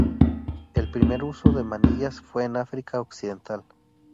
El primer uso de manillas fue en África Occidental.